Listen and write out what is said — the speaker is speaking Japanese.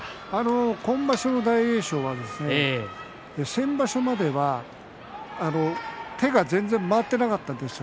今場所の大栄翔は先場所までは全然直っていなかったんです。